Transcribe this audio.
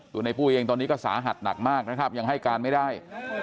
ในปุ้ยเองตอนนี้ก็สาหัสหนักมากนะครับยังให้การไม่ได้